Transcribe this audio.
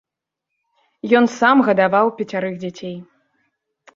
Ён сам гадаваў пяцярых дзяцей.